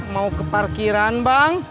mau ke parkiran bang